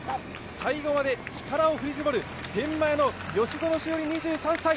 最後まで力を振り絞る天満屋の吉薗栞２３歳。